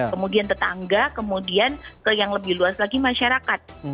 kemudian tetangga kemudian ke yang lebih luas lagi masyarakat